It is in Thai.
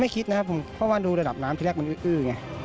คิดนะครับผมเพราะว่าดูระดับน้ำที่แรกมันอื้อไง